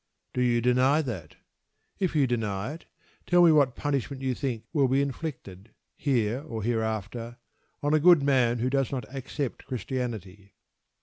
Do you deny that? If you deny it, tell me what punishment you think will be inflicted, here or hereafter on a good man who does not accept Christianity.